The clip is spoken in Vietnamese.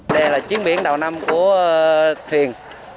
đây là chiến biển đầu năm của thuyền